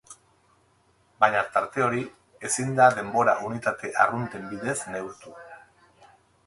baina tarte hori ezin da denbora-unitate arrunten bidez neurtu.